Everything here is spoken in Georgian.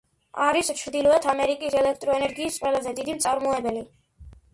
არის ჩრდილოეთ ამერიკის ელექტროენერგიის ყველაზე დიდი მწარმოებელი.